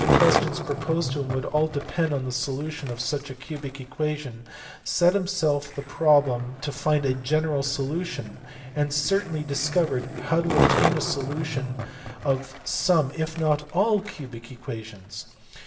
questions proposed to him would all depend on the solution of such cubic equations set himself the problem to find a general solution, and certainly discovered how to obtain a solution of some if not all cubic equations.